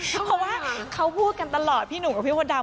เพราะว่าเขาพูดกันตลอดพี่หนุ่มกับพี่มดดำ